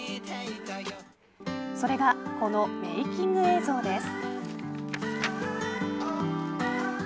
それがこのメイキング映像です。